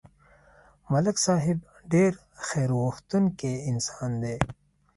ملک صاحب ډېر خیرغوښتونکی انسان دی